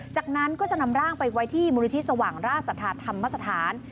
จากนั้นก็จะนำร่างไปไว้ที่มูลนิธิสว่างราชสัทธาธรรมสถาน